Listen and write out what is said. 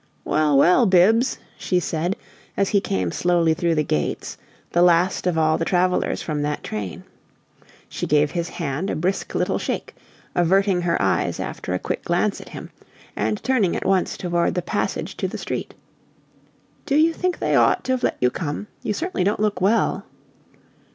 "Well, well, Bibbs!" she said, as he came slowly through the gates, the last of all the travelers from that train. She gave his hand a brisk little shake, averting her eyes after a quick glance at him, and turning at once toward the passage to the street. "Do you think they ought to've let you come? You certainly don't look well!"